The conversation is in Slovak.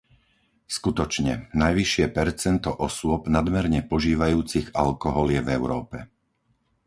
Skutočne, najvyššie percento osôb nadmerne požívajúcich alkohol je v Európe.